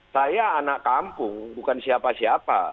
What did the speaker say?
saya anak kampung bukan siapa siapa